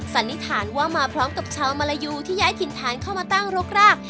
สันนิษฐานว่ามาพร้อมกับชาวมารยูที่ย้ายถิ่นฐานเข้ามาตั้งรกราก